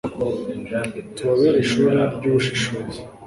tubabere ishuri ry'ubushishozi